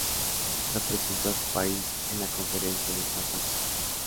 Representó a su país en la conferencia de San Francisco.